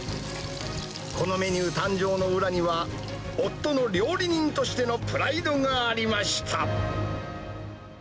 このメニュー誕生の裏には、夫の料理人としてのプライドがありました。